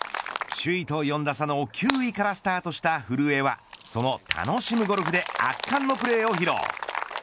首位と４打差の９位からスタートした古江はその楽しむゴルフで圧巻のプレーを披露。